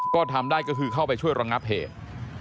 ก็ทำได้ก็คือเข้าไปช่วยระงับเหตุ